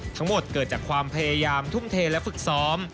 ทั้งหมดเกิดจากความพยายามทุ่มเทและฝึกซ้อม